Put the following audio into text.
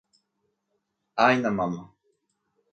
Áina mamá